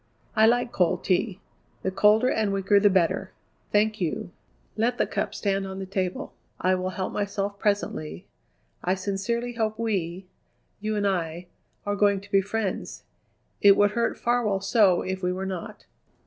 "I like cold tea; the colder and weaker the better. Thank you. Let the cup stand on the table; I will help myself presently. I sincerely hope we, you and I, are going to be friends. It would hurt Farwell so if we were not."